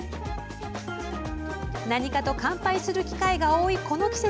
何かと乾杯する機会が多いこの季節。